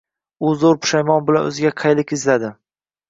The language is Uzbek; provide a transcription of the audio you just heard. U zo‘r pushaymon bilan o‘ziga qayliq izladi.